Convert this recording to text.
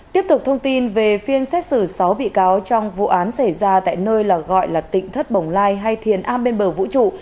tiếp tục thông tin về phiên xét xử sáu bị cáo trong vụ án xảy ra tại nơi gọi là tịnh thất bồng lai hay thiền a bên bờ vũ trụ